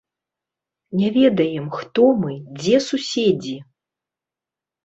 Не ведаем, хто мы, дзе суседзі.